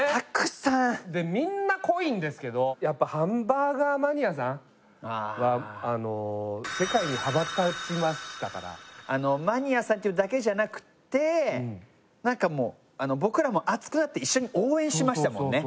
でみんな濃いんですけどやっぱ世界に羽ばたきましたからマニアさんっていうだけじゃなくて何かもう僕らも熱くなって一緒に応援しましたもんね